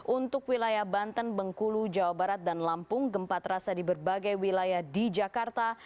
untuk wilayah banten bengkulu jawa barat dan lampung gempa terasa di berbagai wilayah di jakarta